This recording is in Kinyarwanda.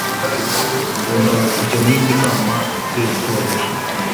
Ngomba kujya muyindi nama iteye ubwoba ejo